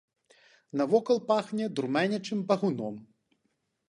Навакол пахне дурманячым багуном.